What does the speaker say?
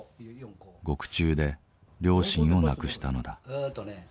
獄中で両親を亡くしたのだ。